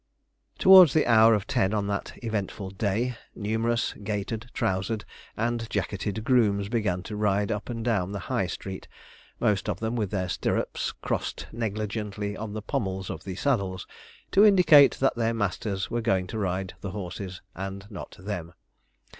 Towards the hour of ten on that eventful day, numerous gaitered, trousered, and jacketed grooms began to ride up and down the High Street, most of them with their stirrups crossed negligently on the pommels of the saddles, to indicate that their masters were going to ride the horses, and not them.